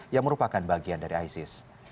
yang merupakan bagian dari isis